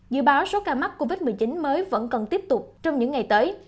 dự báo số ca mắc covid một mươi chín mới vẫn còn tiếp tục trong những ngày tới